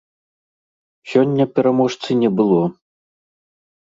Сёння пераможцы не было.